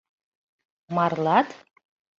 — Марлат?